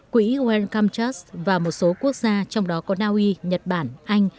quỹ wellcome trust và một số quốc gia trong đó có naui nhật bản anh